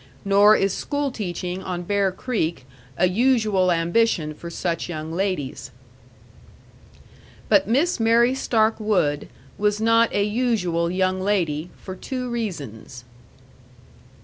Nor is school teaching on Bear Creek a usual ambition for such young ladies. But Miss Mary Stark Wood was not a usual young lady for two reasons.